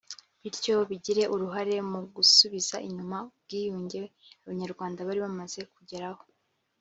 bityo bigire uruhare mu gusubiza inyuma ubwiyunge Abanyarwanda bari bamaze kugeraho